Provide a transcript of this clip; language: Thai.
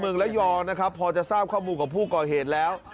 เมืองระยองนะครับพอจะทราบข้อมูลกับผู้ก่อเหตุแล้ว